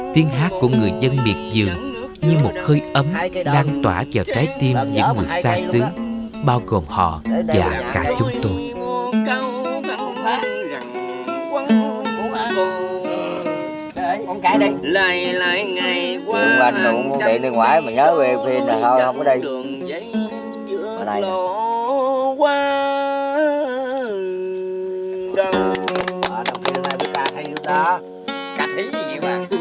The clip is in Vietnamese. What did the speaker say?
tiếng hát của người dân biệt dường như một hơi ấm đang tỏa vào trái tim những người xa xứ bao gồm họ và cả chúng tôi